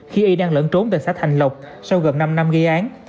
khi y đang lẫn trốn tại xã thành lộc sau gần năm năm gây án